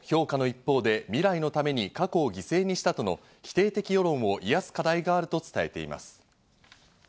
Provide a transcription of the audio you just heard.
またＳＢＳテレビも評価の一方で、未来のために過去を犠牲にしたとの否定的世論を癒やす課題があると伝えています。